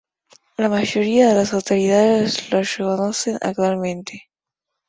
La mayoría de las autoridades la reconocen actualmente.